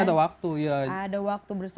ada waktu bersama untuk bermain